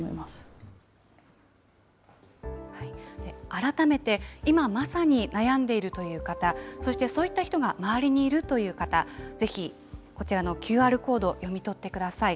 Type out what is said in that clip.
改めて、今、まさに悩んでいるという方、そしてそういった人が周りにいるという方、ぜひこちらのＱＲコードを読み取ってください。